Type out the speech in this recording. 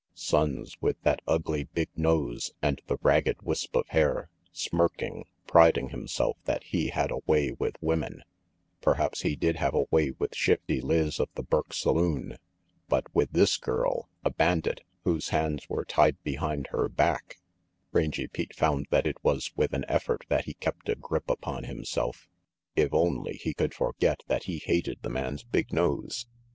Sonnes, with that ugly big nose and the ragged wisp of hair, smirking, priding him self that he had a way with women perhaps he did have a way with Shifty Lizz of the Burke saloon but with this girl, a bandit, whose hands were tied behind her back Rangy Pete found that it was with an effort that he kept a grip upon himself. If only he could forget 332 RANGY PETE that he hated the man's big nose.